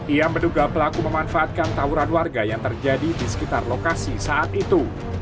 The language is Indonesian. ia menduga pelaku memanfaatkan tawuran warga yang terjadi di sekitar lokasi saat itu